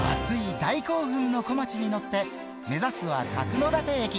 大興奮のこまちに乗って、目指すは角館駅。